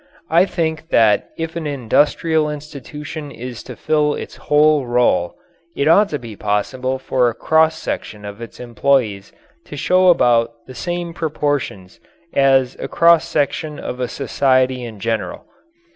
I think that if an industrial institution is to fill its whole role, it ought to be possible for a cross section of its employees to show about the same proportions as a cross section of a society in general.